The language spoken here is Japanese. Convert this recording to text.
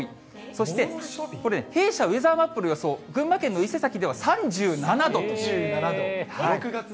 そして、弊社、ウェザーマップの予想、群馬県の伊勢崎では３７度。